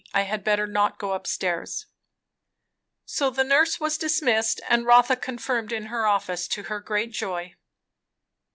I had better not go up stairs." So the nurse was dismissed, and Rotha confirmed in her office, to her great joy.